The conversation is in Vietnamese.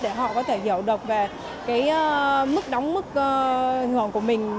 để họ có thể hiểu được về cái mức đóng mức hưởng của mình